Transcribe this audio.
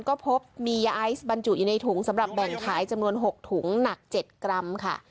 ก็พบมียาไอซ์บรรจุอยู่ในถุงสำหรับแบ่งขายจำนวน๖ถุงหนัก๗กรัมค่ะ